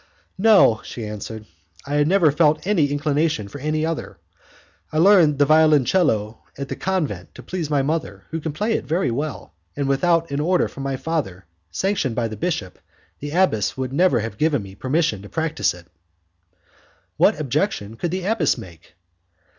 "No," she answered, "I never felt any inclination for any other. I learned the violoncello at the convent to please my mother, who can play it pretty well, and without an order from my father, sanctioned by the bishop, the abbess would never have given me permission to practise it." "What objection could the abbess make?"